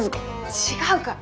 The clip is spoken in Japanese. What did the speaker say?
違うから！